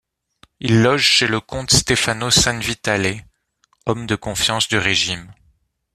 Il loge chez le comte Stefano Sanvitale, homme de confiance du régime.